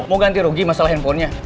mau ganti rugi masalah handphonenya